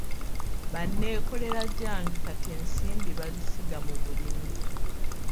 Banneekoleragyange kati ensimbibazisiga mu bulimi.